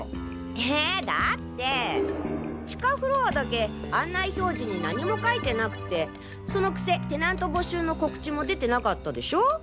えだってぇ地下フロアだけ案内表示に何も書いてなくてそのくせテナント募集の告知も出てなかったでしょ？